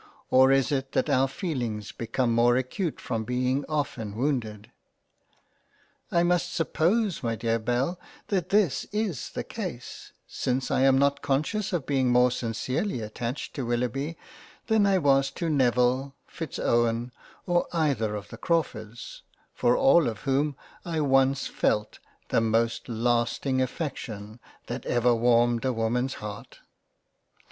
Or is it that our feelings become more acute from being often wounded ? I must suppose my dear Belle that this is the Case, since I am not conscious of being more sincerely attached to Willoughby than I was to Neville, Fitzowen, or either of the Crawfords, for all of whom I once felt the most lasting Q 105 £ JANE AUSTEN £ affection that ever warmed a Woman's heart.